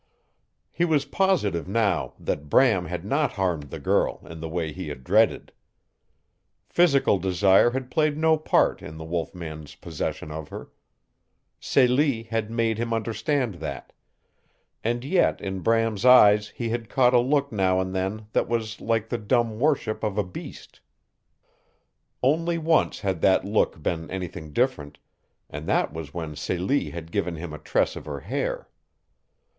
He was positive now that Bram had not harmed the girl in the way he had dreaded. Physical desire had played no part in the wolf man's possession of her. Celie had made him understand that; and yet in Bram's eyes he had caught a look now and then that was like the dumb worship of a beast. Only once had that look been anything different and that was when Celie had given him a tress of her hair.